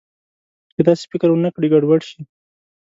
که داسې فکر ونه کړي، ګډوډ شي.